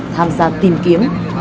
tham gia tìm kiếm